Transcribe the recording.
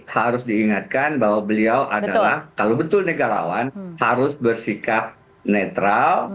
harus diingatkan bahwa beliau adalah kalau betul negarawan harus bersikap netral